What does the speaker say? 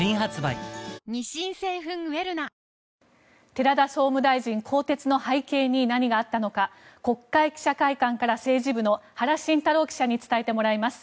寺田総務大臣更迭の背景に何があったのか国会記者会館から政治部の原慎太郎記者に伝えてもらいます。